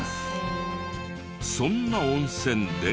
そんな温泉で。